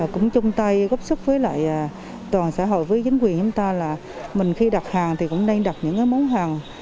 cũng chung tay góp sức với lại toàn xã hội với chính quyền chúng ta là mình khi đặt hàng thì cũng đang đặt những cái món hàng